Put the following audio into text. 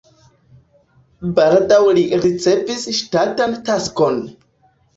Baldaŭ li ricevis ŝtatan taskon.